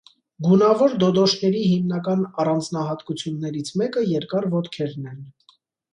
Գունավոր դոդոշների հիմնական առանձնահատկություններից մեկը երկար ոտքերն են։